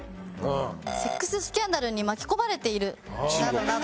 「セックススキャンダルに巻き込まれている」などなど。